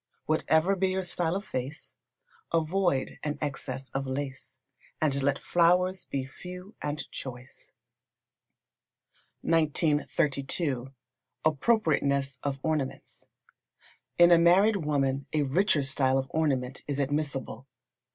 Whatever be your style of face, avoid an excess of lace, and let flowers be few and choice. 1932. Appropriateness of Ornaments. In a married woman a richer style of ornament is admissible.